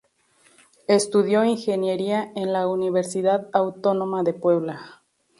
Estudió ingeniería en la Universidad Autónoma de Puebla.